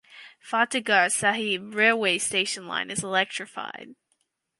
Fatehgarh Sahib railway station line is electrified.